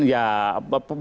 ya propaganda itu